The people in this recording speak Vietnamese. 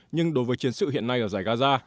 nhưng đối với chiến sự hiện nay ở giải gaza